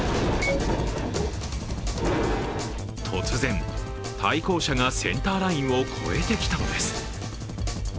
突然、対向車がセンターラインを越えてきたのです。